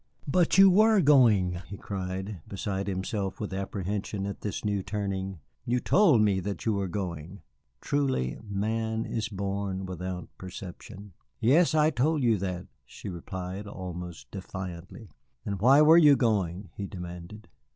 "But you were going!" he cried, beside himself with apprehension at this new turning. "You told me that you were going." Truly, man is born without perception. "Yes, I told you that," she replied almost defiantly. "And why were you going?" he demanded.